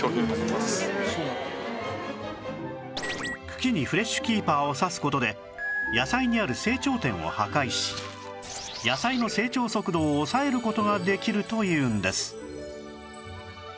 茎にフレッシュキーパーを刺す事で野菜にある成長点を破壊し野菜の成長速度を抑える事ができるというんです